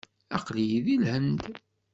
Aql-iyi deg Lhend.